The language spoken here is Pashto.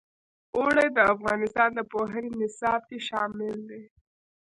اوړي د افغانستان د پوهنې نصاب کې شامل دي.